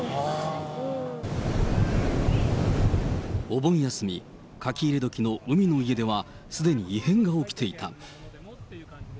お盆休み、書き入れ時の海の家では、すでに異変が起きていた。